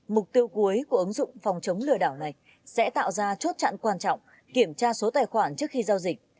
mục tiêu cuối của ứng dụng phòng chống lừa đảo này sẽ tạo ra chốt chặn quan trọng kiểm tra số tài khoản trước khi giao dịch